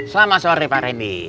selamat sore pak randy